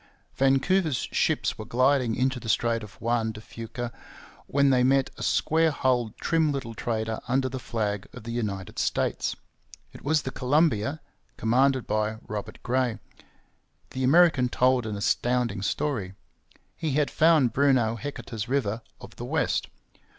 Vancouver's ships were gliding into the Strait of Juan de Fuca when they met a square hulled, trim little trader under the flag of the United States. It was the Columbia, commanded by Robert Gray. The American told an astounding story. He had found Bruno Heceta's River of the West.